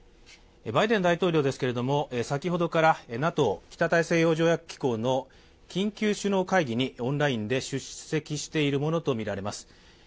バイデン大統領ですけれども、先ほどからＮＡＴＯ＝北大西洋条約機構の緊急首脳会議にオンラインで出席しているものとみられます。